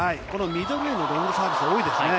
ミドルへのロングサービスが多いですね。